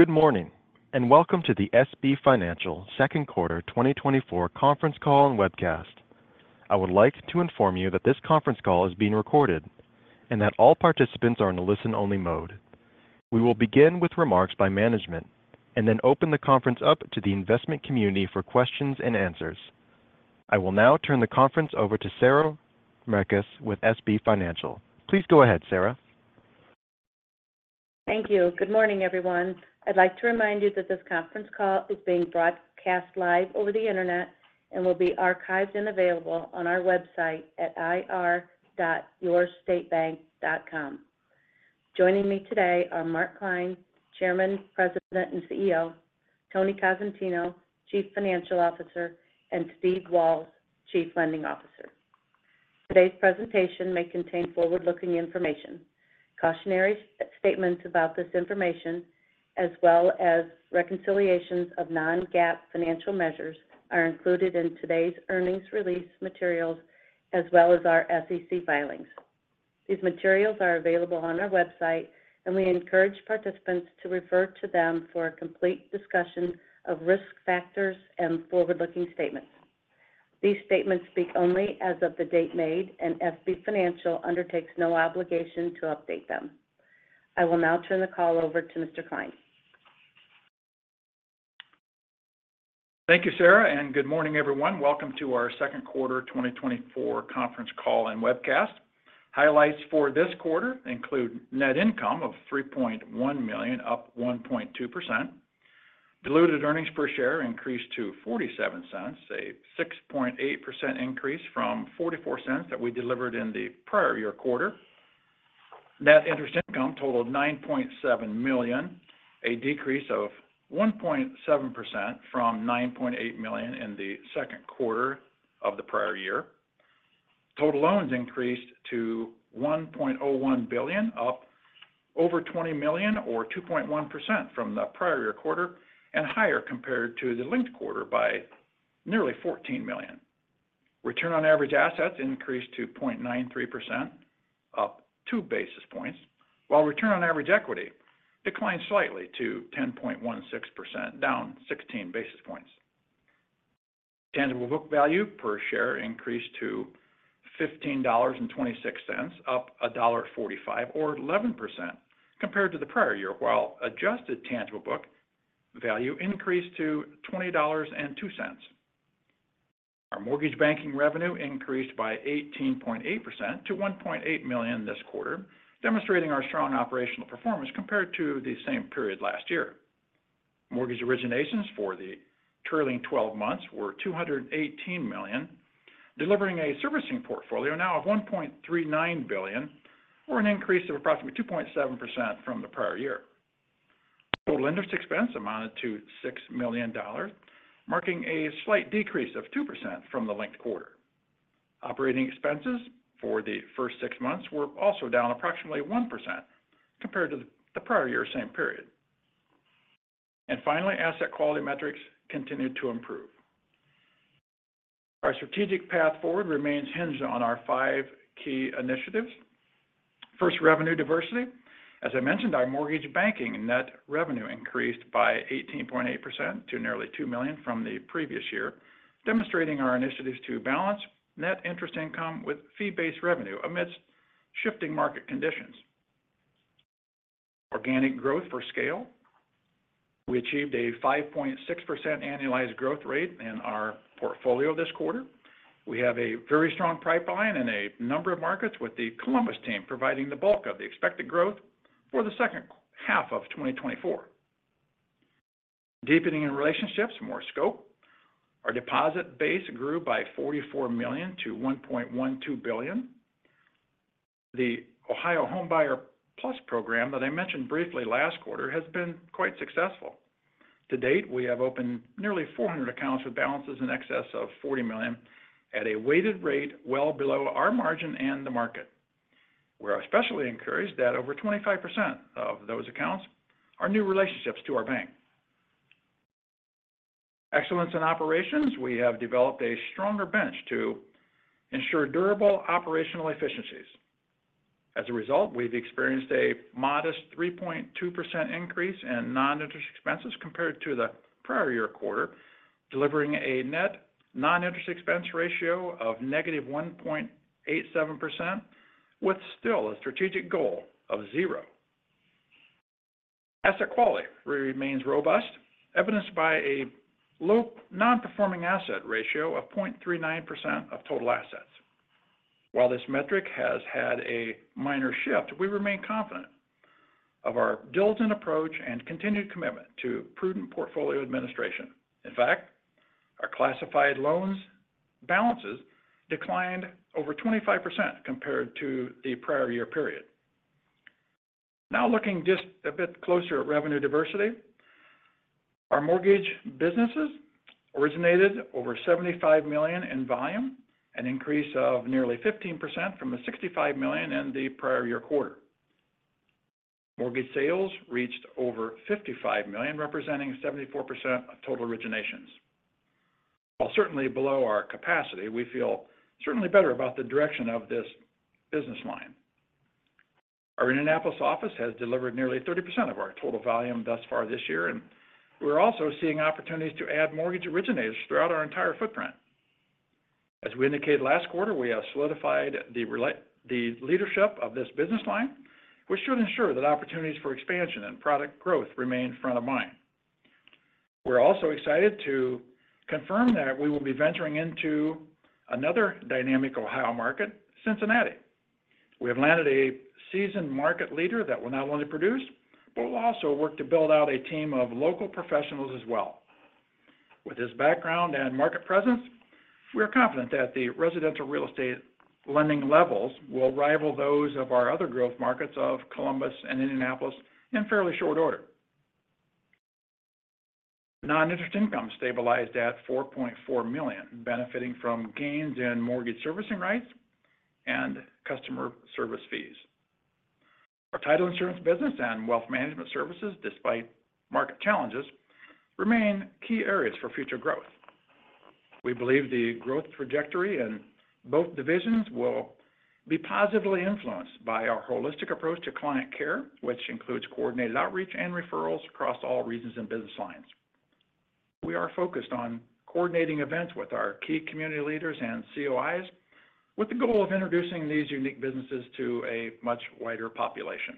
Good morning, and welcome to the SB Financial second quarter 2024 conference call and webcast. I would like to inform you that this conference call is being recorded and that all participants are in a listen-only mode. We will begin with remarks by management and then open the conference up to the investment community for questions and answers. I will now turn the conference over to Sarah Mekus with SB Financial. Please go ahead, Sarah. Thank you. Good morning, everyone. I'd like to remind you that this conference call is being broadcast live over the internet and will be archived and available on our website at ir.yourstatebank.com. Joining me today are Mark Klein, Chairman, President, and CEO, Tony Cosentino, Chief Financial Officer, and Steve Walz, Chief Lending Officer. Today's presentation may contain forward-looking information. Cautionary statements about this information, as well as reconciliations of non-GAAP financial measures, are included in today's earnings release materials, as well as our SEC filings. These materials are available on our website, and we encourage participants to refer to them for a complete discussion of risk factors and forward-looking statements. These statements speak only as of the date made, and SB Financial undertakes no obligation to update them. I will now turn the call over to Mr. Klein. Thank you, Sarah, and good morning, everyone. Welcome to our second quarter 2024 conference call and webcast. Highlights for this quarter include net income of $3.1 million, up 1.2%. Diluted earnings per share increased to $0.47, a 6.8% increase from $0.44 that we delivered in the prior year quarter. Net interest income totaled $9.7 million, a decrease of 1.7% from $9.8 million in the second quarter of the prior year. Total loans increased to $1.01 billion, up over $20 million, or 2.1% from the prior year quarter, and higher compared to the linked quarter by nearly $14 million. Return on average assets increased to 0.93%, up two basis points, while return on average equity declined slightly to 10.16%, down 16 basis points. Tangible book value per share increased to $15.26, up $1.45, or 11% compared to the prior year, while adjusted tangible book value increased to $20.02. Our mortgage banking revenue increased by 18.8% to $1.8 million this quarter, demonstrating our strong operational performance compared to the same period last year. Mortgage originations for the trailing 12 months were $218 million, delivering a servicing portfolio now of $1.39 billion, or an increase of approximately 2.7% from the prior year. Total interest expense amounted to $6 million, marking a slight decrease of 2% from the linked quarter. Operating expenses for the first six months were also down approximately 1% compared to the prior year same period. Finally, asset quality metrics continued to improve. Our strategic path forward remains hinged on our five key initiatives. First, revenue diversity. As I mentioned, our mortgage banking net revenue increased by 18.8% to nearly $2 million from the previous year, demonstrating our initiatives to balance net interest income with fee-based revenue amidst shifting market conditions. Organic growth for scale. We achieved a 5.6% annualized growth rate in our portfolio this quarter. We have a very strong pipeline in a number of markets, with the Columbus team providing the bulk of the expected growth for the second half of 2024. Deepening in relationships, more scope. Our deposit base grew by $44 million to $1.12 billion. The Ohio Homebuyer Plus program that I mentioned briefly last quarter has been quite successful. To date, we have opened nearly 400 accounts with balances in excess of $40 million at a weighted rate well below our margin and the market. We are especially encouraged that over 25% of those accounts are new relationships to our bank. Excellence in operations. We have developed a stronger bench to ensure durable operational efficiencies. As a result, we've experienced a modest 3.2% increase in non-interest expenses compared to the prior year quarter, delivering a net non-interest expense ratio of negative 1.87%, with still a strategic goal of zero. Asset quality remains robust, evidenced by a low non-performing asset ratio of 0.39% of total assets. While this metric has had a minor shift, we remain confident of our diligent approach and continued commitment to prudent portfolio administration. In fact, our classified loans balances declined over 25% compared to the prior year period. Now looking just a bit closer at revenue diversity, our mortgage businesses originated over $75 million in volume, an increase of nearly 15% from the $65 million in the prior year quarter. Mortgage sales reached over $55 million, representing 74% of total originations. While certainly below our capacity, we feel certainly better about the direction of this business line. Our Indianapolis office has delivered nearly 30% of our total volume thus far this year, and we're also seeing opportunities to add mortgage originators throughout our entire footprint. As we indicated last quarter, we have solidified the leadership of this business line, which should ensure that opportunities for expansion and product growth remain front of mind. We're also excited to confirm that we will be venturing into another dynamic Ohio market, Cincinnati. We have landed a seasoned market leader that will not only produce, but will also work to build out a team of local professionals as well. With his background and market presence, we are confident that the residential real estate lending levels will rival those of our other growth markets of Columbus and Indianapolis in fairly short order. Non-interest income stabilized at $4.4 million, benefiting from gains in mortgage servicing rights and customer service fees. Our title insurance business and wealth management services, despite market challenges, remain key areas for future growth. We believe the growth trajectory in both divisions will be positively influenced by our holistic approach to client care, which includes coordinated outreach and referrals across all regions and business lines. We are focused on coordinating events with our key community leaders and COIs, with the goal of introducing these unique businesses to a much wider population.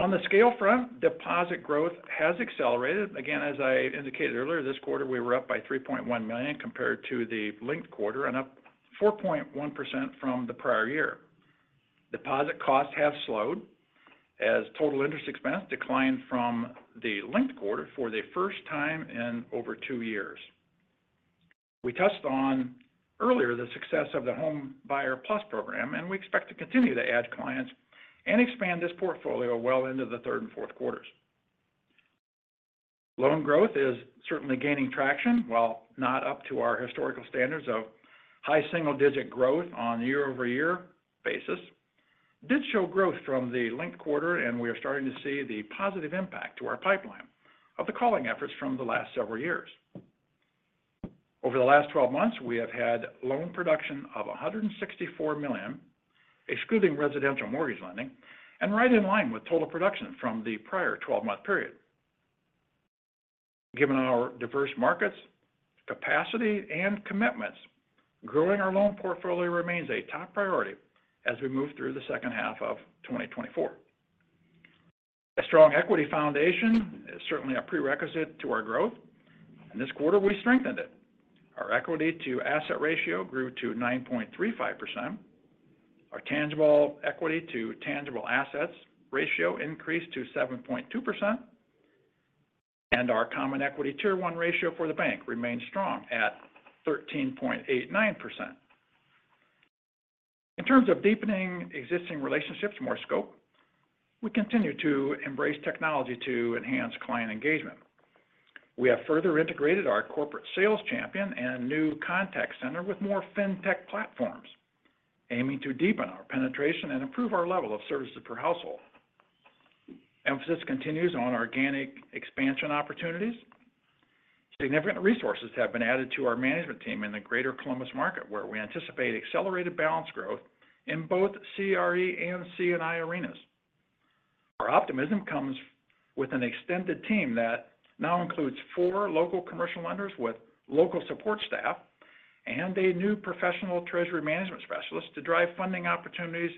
On the scale front, deposit growth has accelerated. Again, as I indicated earlier, this quarter we were up by $3.1 million compared to the linked quarter and up 4.1% from the prior year. Deposit costs have slowed as total interest expense declined from the linked quarter for the first time in over two years. We touched on earlier the success of the Homebuyer Plus program, and we expect to continue to add clients and expand this portfolio well into the third and fourth quarters. Loan growth is certainly gaining traction, while not up to our historical standards of high single-digit growth on a year-over-year basis. Did show growth from the linked quarter, and we are starting to see the positive impact to our pipeline of the calling efforts from the last several years. Over the last 12 months, we have had loan production of $164 million, excluding residential mortgage lending, and right in line with total production from the prior 12-month period. Given our diverse markets, capacity, and commitments, growing our loan portfolio remains a top priority as we move through the second half of 2024. A strong equity foundation is certainly a prerequisite to our growth, and this quarter we strengthened it. Our equity-to-asset ratio grew to 9.35%. Our tangible equity-to-tangible assets ratio increased to 7.2%, and our Common Equity Tier 1 ratio for the bank remains strong at 13.89%. In terms of deepening existing relationships, more scope, we continue to embrace technology to enhance client engagement. We have further integrated our corporate sales champion and new contact center with more fintech platforms, aiming to deepen our penetration and improve our level of services per household. Emphasis continues on organic expansion opportunities. Significant resources have been added to our management team in the Greater Columbus market, where we anticipate accelerated balance growth in both CRE and C&I arenas. Our optimism comes with an extended team that now includes four local commercial lenders with local support staff and a new professional treasury management specialist to drive funding opportunities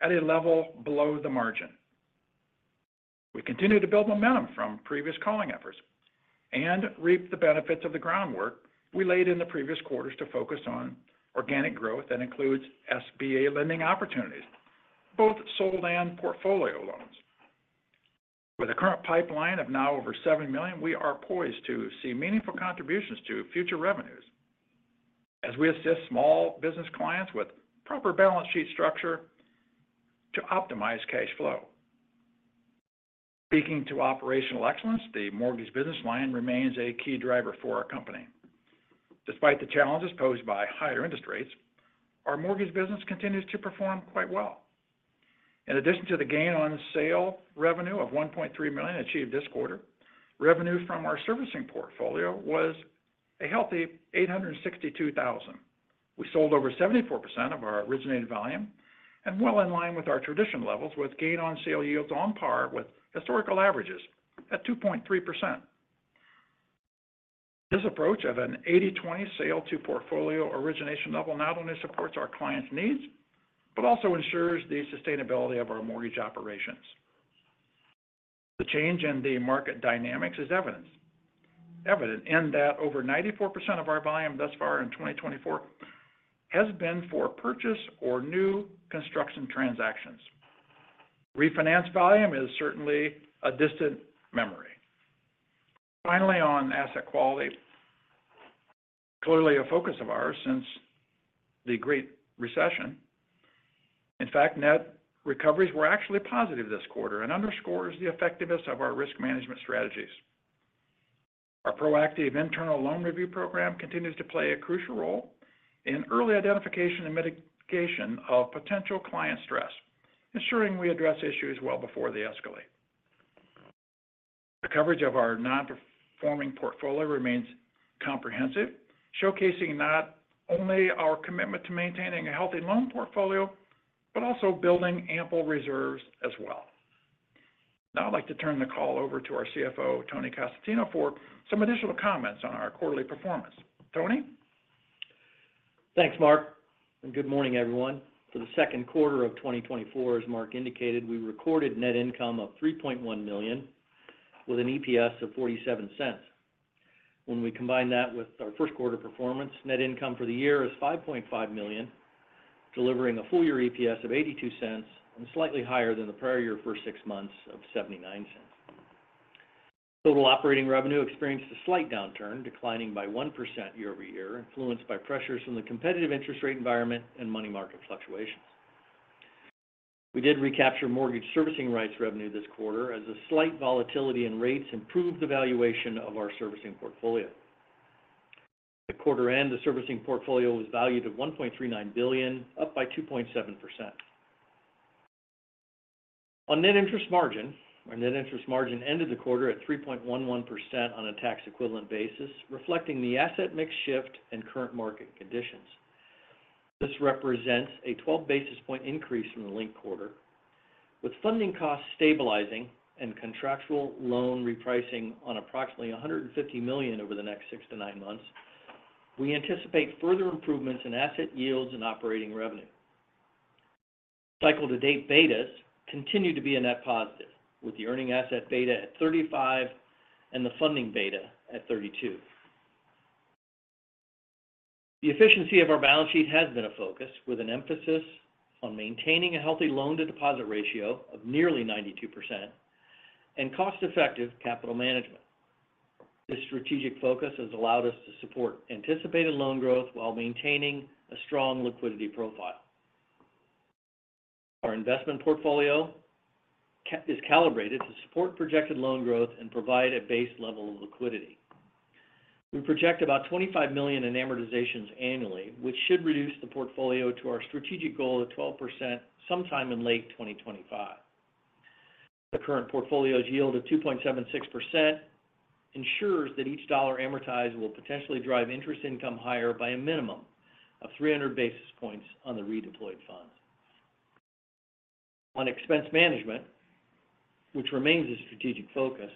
at a level below the margin. We continue to build momentum from previous calling efforts and reap the benefits of the groundwork we laid in the previous quarters to focus on organic growth that includes SBA lending opportunities, both sold and portfolio loans. With a current pipeline of now over $7 million, we are poised to see meaningful contributions to future revenues as we assist small business clients with proper balance sheet structure to optimize cash flow. Speaking to operational excellence, the mortgage business line remains a key driver for our company. Despite the challenges posed by higher interest rates, our mortgage business continues to perform quite well. In addition to the gain on sale revenue of $1.3 million achieved this quarter, revenue from our servicing portfolio was a healthy $862,000. We sold over 74% of our originated volume and well in line with our traditional levels, with gain on sale yields on par with historical averages at 2.3%. This approach of an 80/20 sale-to-portfolio origination level not only supports our clients' needs, but also ensures the sustainability of our mortgage operations. The change in the market dynamics is evident in that over 94% of our volume thus far in 2024 has been for purchase or new construction transactions. Refinanced volume is certainly a distant memory. Finally, on asset quality, clearly a focus of ours since the Great Recession. In fact, net recoveries were actually positive this quarter and underscores the effectiveness of our risk management strategies. Our proactive internal loan review program continues to play a crucial role in early identification and mitigation of potential client stress, ensuring we address issues well before they escalate. The coverage of our non-performing portfolio remains comprehensive, showcasing not only our commitment to maintaining a healthy loan portfolio, but also building ample reserves as well. Now I'd like to turn the call over to our CFO, Tony Cosentino, for some additional comments on our quarterly performance. Tony? Thanks, Mark. Good morning, everyone. For the second quarter of 2024, as Mark indicated, we recorded net income of $3.1 million with an EPS of $0.47. When we combine that with our first quarter performance, net income for the year is $5.5 million, delivering a full-year EPS of $0.82 and slightly higher than the prior year for six months of $0.79. Total operating revenue experienced a slight downturn, declining by 1% year-over-year, influenced by pressures from the competitive interest rate environment and money market fluctuations. We did recapture mortgage servicing rights revenue this quarter, as the slight volatility in rates improved the valuation of our servicing portfolio. At quarter-end, the servicing portfolio was valued at $1.39 billion, up by 2.7%. On net interest margin, our net interest margin ended the quarter at 3.11% on a tax-equivalent basis, reflecting the asset mix shift and current market conditions. This represents a 12 basis point increase from the linked quarter. With funding costs stabilizing and contractual loan repricing on approximately $150 million over the next six to nine months, we anticipate further improvements in asset yields and operating revenue. Cycle-to-date betas continue to be a net positive, with the earning asset beta at 35% and the funding beta at 32%. The efficiency of our balance sheet has been a focus, with an emphasis on maintaining a healthy loan-to-deposit ratio of nearly 92% and cost-effective capital management. This strategic focus has allowed us to support anticipated loan growth while maintaining a strong liquidity profile. Our investment portfolio is calibrated to support projected loan growth and provide a base level of liquidity. We project about $25 million in amortizations annually, which should reduce the portfolio to our strategic goal of 12% sometime in late 2025. The current portfolio's yield of 2.76% ensures that each dollar amortized will potentially drive interest income higher by a minimum of 300 basis points on the redeployed funds. On expense management, which remains a strategic focus,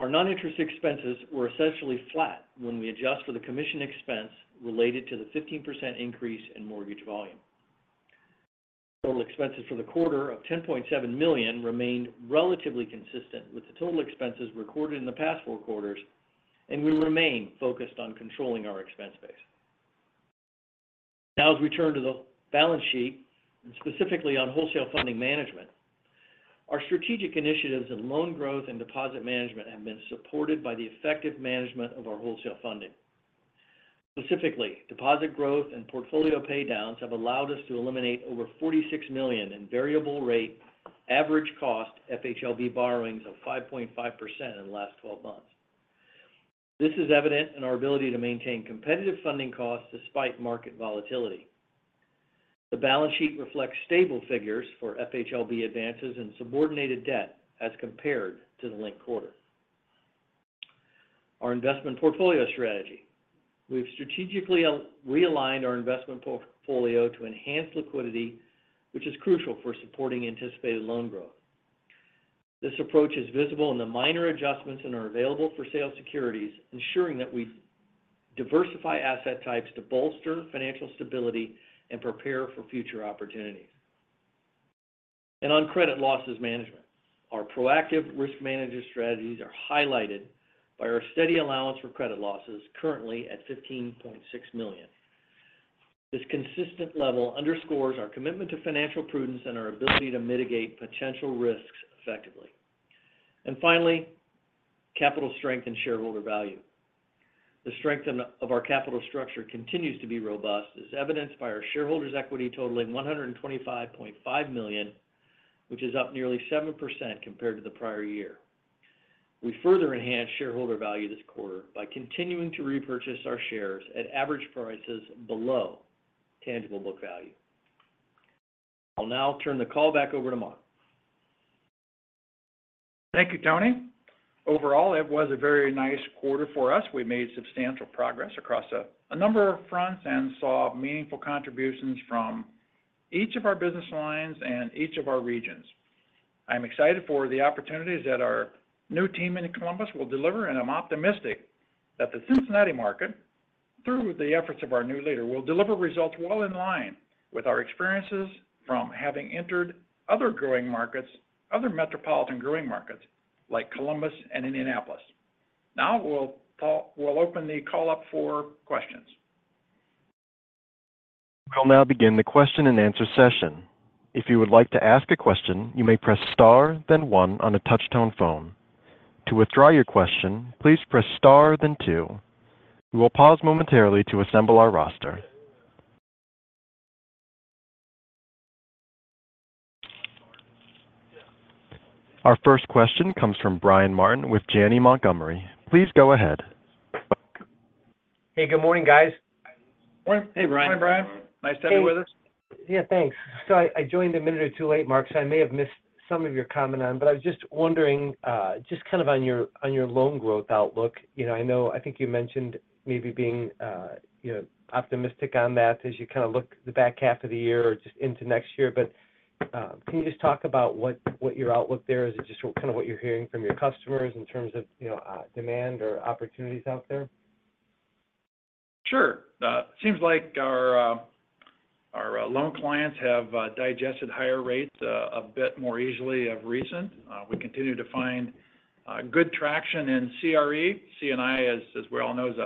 our non-interest expenses were essentially flat when we adjust for the commission expense related to the 15% increase in mortgage volume. Total expenses for the quarter of $10.7 million remained relatively consistent with the total expenses recorded in the past four quarters, and we remain focused on controlling our expense base. Now, as we turn to the balance sheet, and specifically on wholesale funding management, our strategic initiatives in loan growth and deposit management have been supported by the effective management of our wholesale funding. Specifically, deposit growth and portfolio paydowns have allowed us to eliminate over $46 million in variable-rate average cost FHLB borrowings of 5.5% in the last 12 months. This is evident in our ability to maintain competitive funding costs despite market volatility. The balance sheet reflects stable figures for FHLB advances and subordinated debt as compared to the linked quarter. Our investment portfolio strategy. We've strategically realigned our investment portfolio to enhance liquidity, which is crucial for supporting anticipated loan growth. This approach is visible in the minor adjustments in our available-for-sale securities, ensuring that we diversify asset types to bolster financial stability and prepare for future opportunities. On credit losses management, our proactive risk management strategies are highlighted by our steady allowance for credit losses currently at $15.6 million. This consistent level underscores our commitment to financial prudence and our ability to mitigate potential risks effectively. Finally, capital strength and shareholder value. The strength of our capital structure continues to be robust, as evidenced by our shareholders' equity totaling $125.5 million, which is up nearly 7% compared to the prior year. We further enhanced shareholder value this quarter by continuing to repurchase our shares at average prices below tangible book value. I'll now turn the call back over to Mark. Thank you, Tony. Overall, it was a very nice quarter for us. We made substantial progress across a number of fronts and saw meaningful contributions from each of our business lines and each of our regions. I'm excited for the opportunities that our new team in Columbus will deliver, and I'm optimistic that the Cincinnati market, through the efforts of our new leader, will deliver results well in line with our experiences from having entered other growing markets, other metropolitan growing markets like Columbus and Indianapolis. Now we'll open the call up for questions. We'll now begin the question and answer session. If you would like to ask a question, you may press star, then one on a touch-tone phone. To withdraw your question, please press star, then two. We will pause momentarily to assemble our roster. Our first question comes from Brian Martin with Janney Montgomery. Please go ahead. Hey, good morning, guys. Hey, Brian. Hey, Brian. Nice to have you with us. Yeah, thanks. So I joined a minute or two late, Mark, so I may have missed some of your comment on, but I was just wondering, just kind of on your loan growth outlook. I think you mentioned maybe being optimistic on that as you kind of look at the back half of the year or just into next year. But can you just talk about what your outlook there is? Is it just kind of what you're hearing from your customers in terms of demand or opportunities out there? Sure. It seems like our loan clients have digested higher rates a bit more easily of recent. We continue to find good traction in CRE. C&I, as we all know, is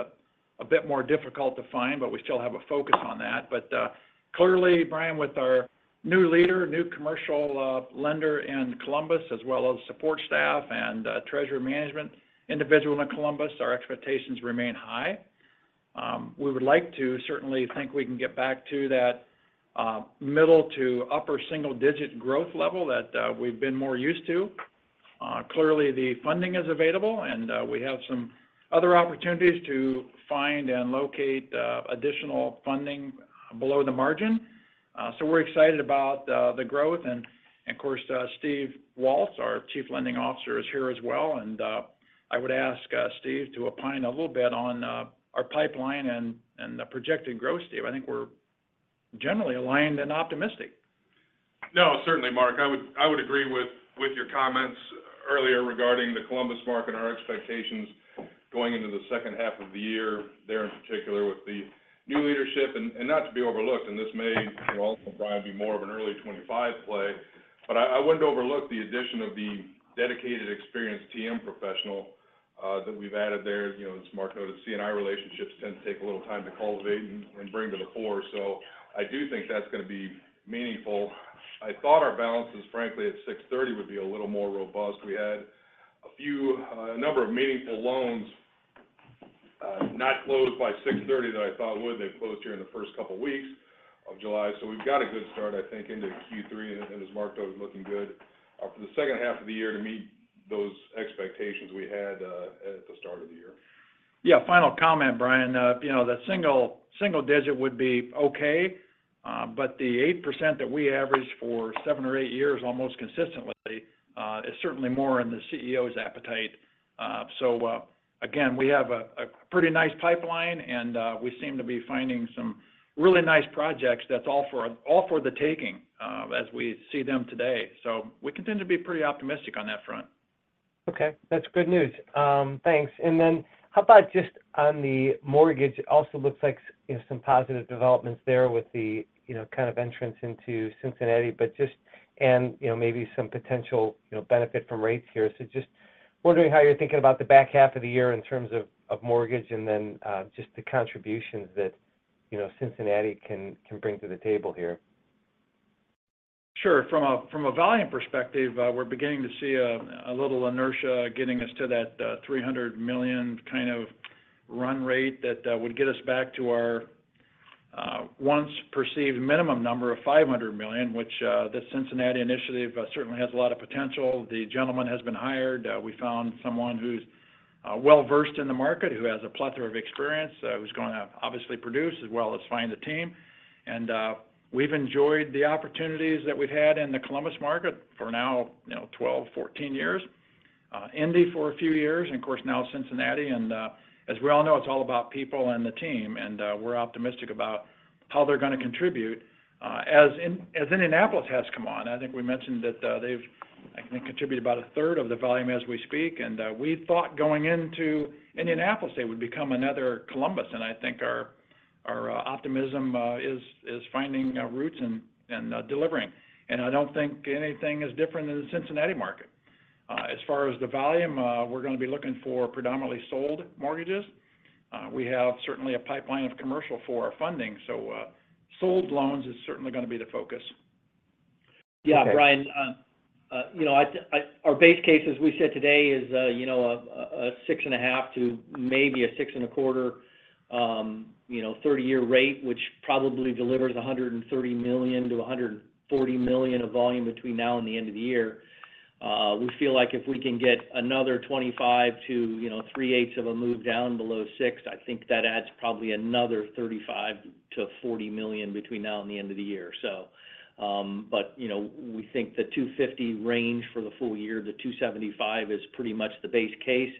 a bit more difficult to find, but we still have a focus on that. But clearly, Brian, with our new leader, new commercial lender in Columbus, as well as support staff and treasury management individual in Columbus, our expectations remain high. We would like to certainly think we can get back to that middle to upper single-digit growth level that we've been more used to. Clearly, the funding is available, and we have some other opportunities to find and locate additional funding below the margin. So we're excited about the growth. And of course, Steve Walz, our Chief Lending Officer, is here as well. And I would ask Steve to opine a little bit on our pipeline and the projected growth. Steve, I think we're generally aligned and optimistic. No, certainly, Mark. I would agree with your comments earlier regarding the Columbus market and our expectations going into the second half of the year there in particular with the new leadership. And not to be overlooked, and this may, Brian, be more of an early 2025 play, but I wouldn't overlook the addition of the dedicated, experienced TM professional that we've added there. As Mark noted, C&I relationships tend to take a little time to cultivate and bring to the fore. So I do think that's going to be meaningful. I thought our balances, frankly, at 6.30% would be a little more robust. We had a number of meaningful loans not closed by 6.30% that I thought would. They closed here in the first couple of weeks of July. So we've got a good start, I think, into Q3, and as Mark noted, looking good for the second half of the year to meet those expectations we had at the start of the year. Yeah, final comment, Brian. The single-digit would be okay, but the 8% that we averaged for seven or eight years almost consistently is certainly more in the CEO's appetite. So again, we have a pretty nice pipeline, and we seem to be finding some really nice projects. That's all for the taking as we see them today. So we continue to be pretty optimistic on that front. Okay. That's good news. Thanks. And then how about just on the mortgage? It also looks like some positive developments there with the kind of entrance into Cincinnati, but just and maybe some potential benefit from rates here. So just wondering how you're thinking about the back half of the year in terms of mortgage and then just the contributions that Cincinnati can bring to the table here. Sure. From a volume perspective, we're beginning to see a little inertia getting us to that $300 million kind of run rate that would get us back to our once perceived minimum number of $500 million, which the Cincinnati initiative certainly has a lot of potential. The gentleman has been hired. We found someone who's well-versed in the market, who has a plethora of experience, who's going to obviously produce as well as find a team. And we've enjoyed the opportunities that we've had in the Columbus market for now 12-14 years, Indy for a few years, and of course, now Cincinnati. And as we all know, it's all about people and the team. And we're optimistic about how they're going to contribute as Indianapolis has come on. I think we mentioned that they've, I think, contributed about a third of the volume as we speak. We thought going into Indianapolis, they would become another Columbus. I think our optimism is finding roots and delivering. I don't think anything is different in the Cincinnati market. As far as the volume, we're going to be looking for predominantly sold mortgages. We have certainly a pipeline of commercial for our funding. So sold loans is certainly going to be the focus. Yeah, Brian. Our base case, as we said today, is a 6.5% to maybe a 6.25% 30-year rate, which probably delivers $130 million-$140 million of volume between now and the end of the year. We feel like if we can get another 25% to 3/8 of a move down below 6%, I think that adds probably another $35 million-$40 million between now and the end of the year. But we think the 250 range for the full year, the 275 is pretty much the base case.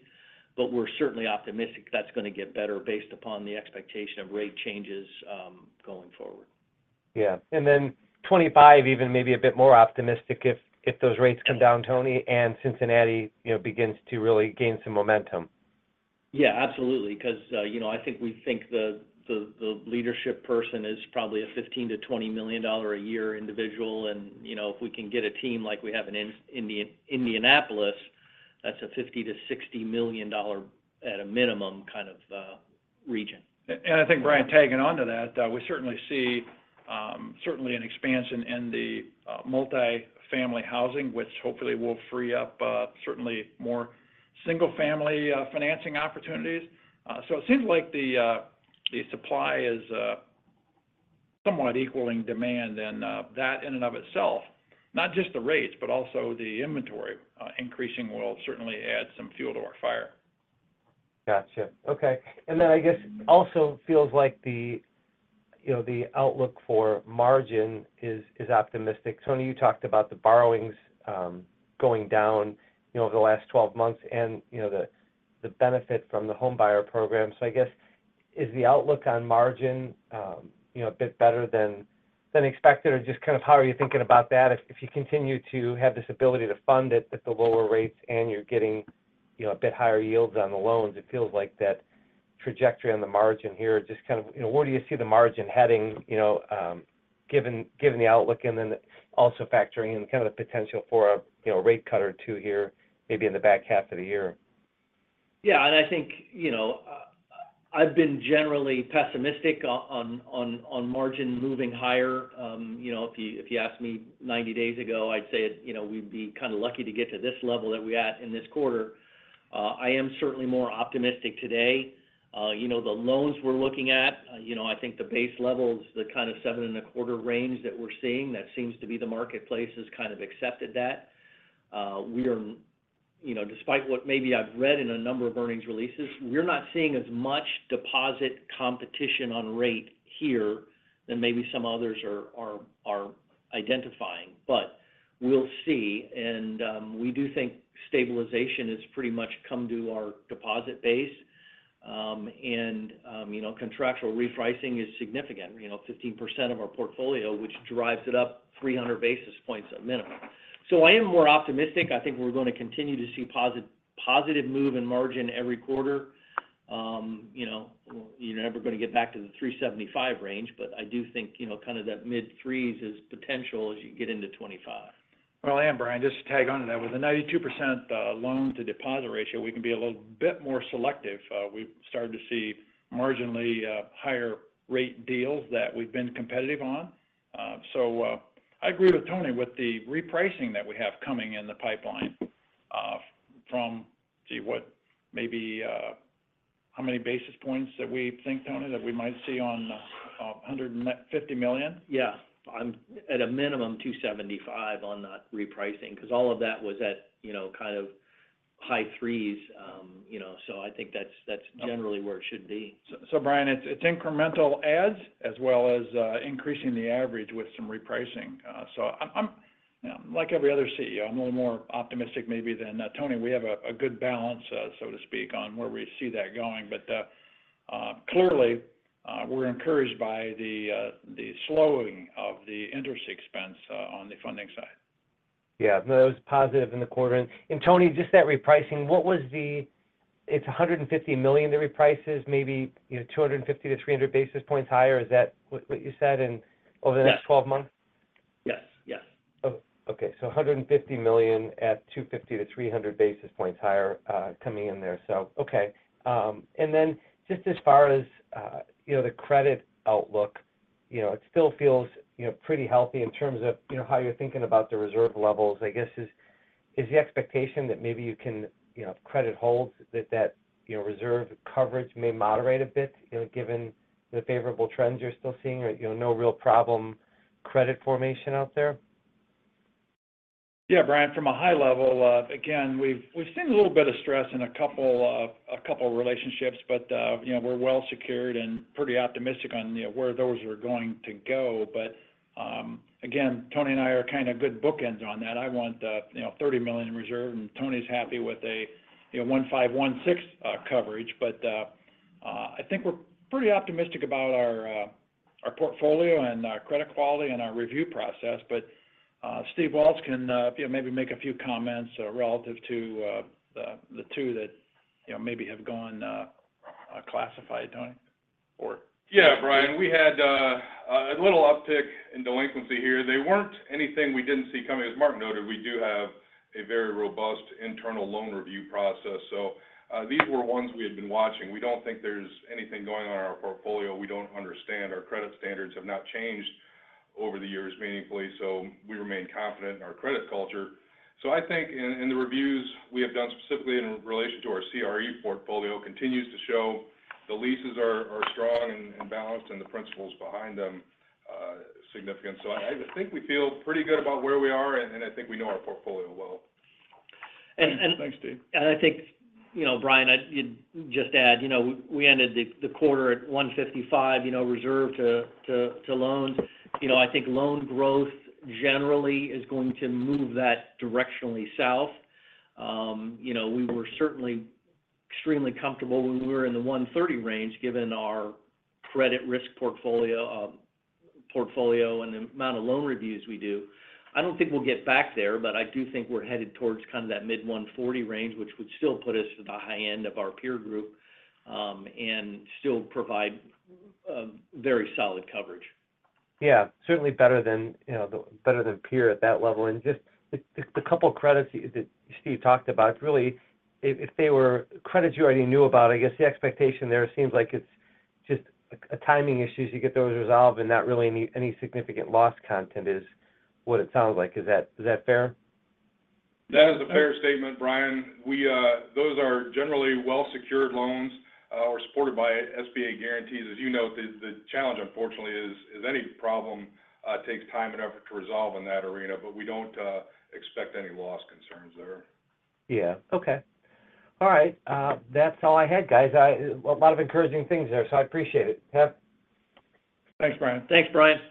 But we're certainly optimistic that's going to get better based upon the expectation of rate changes going forward. Yeah. And then 2025, even maybe a bit more optimistic if those rates come down, Tony, and Cincinnati begins to really gain some momentum. Yeah, absolutely. Because I think we think the leadership person is probably a $15 million-$20 million a year individual. And if we can get a team like we have in Indianapolis, that's a $50 million-$60 million at a minimum kind of region. And I think, Brian, tagging on to that, we certainly see an expanse in the multi-family housing, which hopefully will free up certainly more single-family financing opportunities. So it seems like the supply is somewhat equaling demand. And that in and of itself, not just the rates, but also the inventory increasing will certainly add some fuel to our fire. Gotcha. Okay. And then I guess also feels like the outlook for margin is optimistic. Tony, you talked about the borrowings going down over the last 12 months and the benefit from the homebuyer program. So I guess, is the outlook on margin a bit better than expected? Or just kind of how are you thinking about that? If you continue to have this ability to fund it at the lower rates and you're getting a bit higher yields on the loans, it feels like that trajectory on the margin here just kind of where do you see the margin heading given the outlook? Then also factoring in kind of the potential for a rate cut or two here, maybe in the back half of the year? Yeah. I think I've been generally pessimistic on margin moving higher. If you asked me 90 days ago, I'd say we'd be kind of lucky to get to this level that we're at in this quarter. I am certainly more optimistic today. The loans we're looking at, I think the base levels, the kind of 7.25% range that we're seeing, that seems to be the marketplace has kind of accepted that. Despite what maybe I've read in a number of earnings releases, we're not seeing as much deposit competition on rate here than maybe some others are identifying. But we'll see. We do think stabilization has pretty much come to our deposit base. Contractual repricing is significant, 15% of our portfolio, which drives it up 300 basis points at minimum. So I am more optimistic. I think we're going to continue to see positive move in margin every quarter. You're never going to get back to the 3.75% range, but I do think kind of that mid-threes is potential as you get into 2025. Well, and Brian, just to tag on to that, with a 92% loan-to-deposit ratio, we can be a little bit more selective. We've started to see marginally higher rate deals that we've been competitive on. So I agree with Tony with the repricing that we have coming in the pipeline from, gee, what maybe how many basis points that we think, Tony, that we might see on $150 million? Yeah. At a minimum, 275 on that repricing. Because all of that was at kind of high threes. So I think that's generally where it should be. So Brian, it's incremental adds as well as increasing the average with some repricing. So like every other CEO, I'm a little more optimistic maybe than Tony. We have a good balance, so to speak, on where we see that going. But clearly, we're encouraged by the slowing of the interest expense on the funding side. Yeah. No, that was positive in the quarter. And Tony, just that repricing, what was the it's $150 million the reprices, maybe 250 to 300 basis points higher. Is that what you said over the next 12 months? Yes. Yes. Okay. So $150 million at 250 to 300 basis points higher coming in there. So, okay. And then just as far as the credit outlook, it still feels pretty healthy in terms of how you're thinking about the reserve levels. I guess is the expectation that maybe you can credit holds that that reserve coverage may moderate a bit given the favorable trends you're still seeing or no real problem credit formation out there? Yeah, Brian, from a high level, again, we've seen a little bit of stress in a couple of relationships, but we're well secured and pretty optimistic on where those are going to go. But again, Tony and I are kind of good bookends on that. I want $30 million in reserve, and Tony's happy with a $15 million-$16 million coverage. But I think we're pretty optimistic about our portfolio and our credit quality and our review process. But Steve Walz can maybe make a few comments relative to the two that maybe have gone classified, Tony? Yeah, Brian. We had a little uptick in delinquency here. They weren't anything we didn't see coming. As Mark noted, we do have a very robust internal loan review process. So these were ones we had been watching. We don't think there's anything going on in our portfolio. We don't understand. Our credit standards have not changed over the years meaningfully. So we remain confident in our credit culture. So I think in the reviews we have done specifically in relation to our CRE portfolio continues to show the leases are strong and balanced and the principals behind them significant. So I think we feel pretty good about where we are, and I think we know our portfolio well. Thanks, Steve. I think, Brian, I'd just add we ended the quarter at 1.55% reserve to loans. I think loan growth generally is going to move that directionally south. We were certainly extremely comfortable when we were in the $130 million range given our credit risk portfolio and the amount of loan reviews we do. I don't think we'll get back there, but I do think we're headed towards kind of that mid-1.40% range, which would still put us at the high end of our peer group and still provide very solid coverage. Yeah. Certainly better than peer at that level. And just the couple of credits that Steve talked about, really, if they were credits you already knew about, I guess the expectation there seems like it's just a timing issue as you get those resolved and not really any significant loss content is what it sounds like. Is that fair? That is a fair statement, Brian. Those are generally well-secured loans. We're supported by SBA guarantees. As you know, the challenge, unfortunately, is any problem takes time and effort to resolve in that arena, but we don't expect any loss concerns there. Yeah. Okay. All right. That's all I had, guys. A lot of encouraging things there, so I appreciate it. Thanks, Brian. Thanks, Brian.